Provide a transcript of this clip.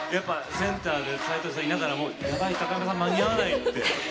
センターで齋藤さんいながらやばい、高山さん間に合わないって。